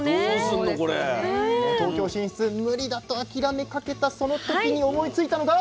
東京進出無理だと諦めかけたその時に思いついたのが。